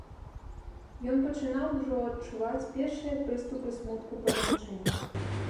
Ён пачынаў ужо адчуваць першыя прыступы смутку па жанчыне.